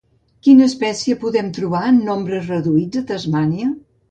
Quina espècie podem trobar en nombres reduïts a Tasmània?